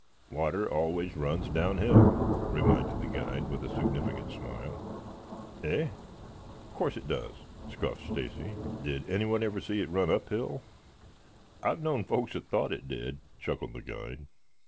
"Water always runs down hill," reminded the guide with a significant smile. "Eh? Of course it does," scoffed Stacy. "Did anyone ever see it run uphill?" "I've known folks that thought it did," chuckled the guide.